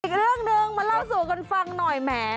อีกเรื่องหนึ่งมาเล่าสู่กันฟังหน่อยแหม